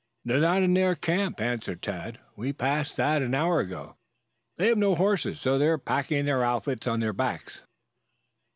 "They're not in their camp," answered Tad. "We passed that an hour ago. They have no horses, so they're packing their outfits on their backs."